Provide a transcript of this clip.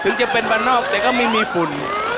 ถึงจะเป็นบ้านนอกแต่ก็ไม่มีฝุ่น